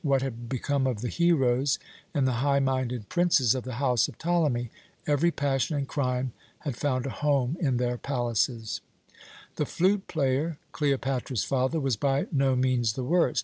What had become of the heroes and the high minded princes of the house of Ptolemy? Every passion and crime had found a home in their palaces! "The flute player, Cleopatra's father, was by no means the worst.